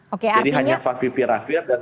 jadi hanya favipiravir dan